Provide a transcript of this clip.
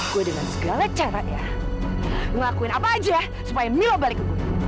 gue dengan segala caranya ngelakuin apa aja supaya milo balik